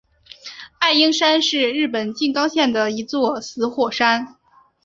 爱鹰山是日本静冈县的一座死火山。